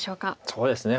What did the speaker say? そうですね